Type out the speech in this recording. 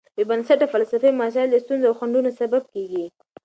بېبنسټه فلسفي مسایل د ستونزو او خنډونو سبب کېږي.